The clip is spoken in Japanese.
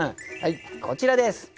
こちらです。